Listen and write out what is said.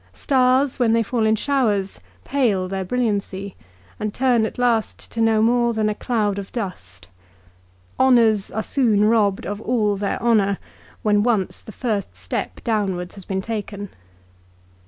Stars, when they fall in showers, pale their brilliancy, and turn at last to no more than a cloud of dust. Honours are soon robbed of all their honour when once the first step downwards 272 LIFE OF CICERO. has been taken.